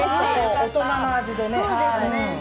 大人の味でね。